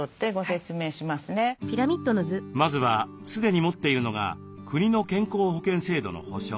まずは既に持っているのが国の健康保険制度の保障。